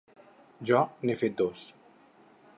Jo n’he fet dos.